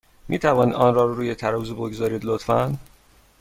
می توانید آن را روی ترازو بگذارید، لطفا؟